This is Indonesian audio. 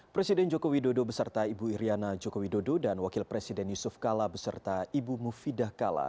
presiden jokowi dodo beserta ibu iryana jokowi dodo dan wakil presiden yusuf kala beserta ibu mufidah kala